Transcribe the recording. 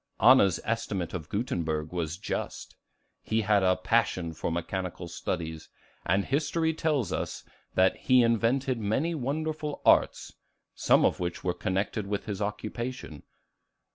Anna's estimate of Gutenberg was just. He had a passion for mechanical studies; and history tells us that "he invented many wonderful arts," some of which were connected with his occupation.